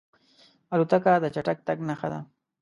الوتکه د چټک تګ نښه ده.